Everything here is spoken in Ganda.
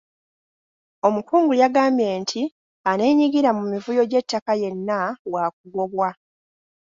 Omukungu yagambye nti aneenyigira mu mivuyo gy'ettaka yenna waakugobwa.